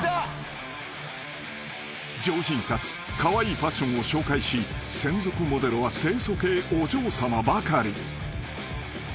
［上品かつカワイイファッションを紹介し専属モデルは清楚系お嬢さまばかり］